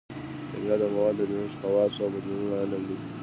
کیمیا د موادو د جوړښت خواصو او بدلونونو علم دی